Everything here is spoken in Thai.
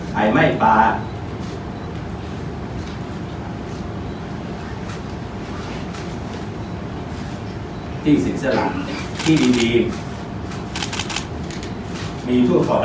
ไหม้ฟ้าที่สิดสะหรันที่ดีดีมีทั่วของระบบ